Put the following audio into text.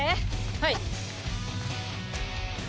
はい。